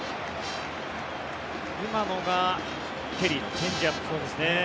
今のがケリーのチェンジアップ。